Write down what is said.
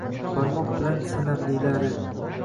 Barmoq bilan sanarlilari.